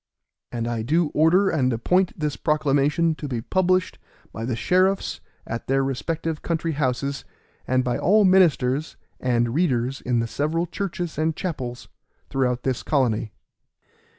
And I do order and appoint this proclamation to be published by the sheriffs at their respective country houses, and by all ministers and readers in the several churches and chapels throughout this colony.